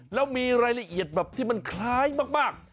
แล้วมีรายละเอียดแบบที่มันคล้ายมาก